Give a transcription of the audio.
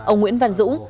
ông nguyễn văn dũng